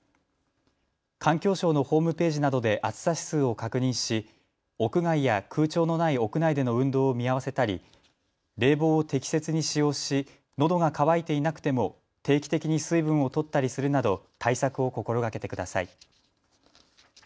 環境省のホームページなどで暑さ指数を確認し屋外や空調のない屋内での運動を見合わせたり、冷房を適切に使用しのどが渇いていなくても定期的に水分をとったりするなど対策を心がけてください。